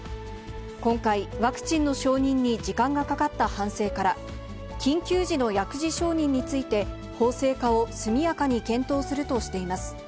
今回、ワクチンの承認に時間がかかった反省から、緊急時の薬事承認について、法制化を速やかに検討するとしています。